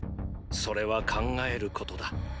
それは考えることだ。